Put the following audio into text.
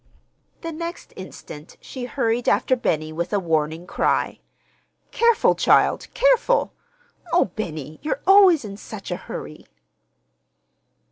The next instant she hurried after Benny with a warning cry. "Careful, child, careful! Oh, Benny, you're always in such a hurry!"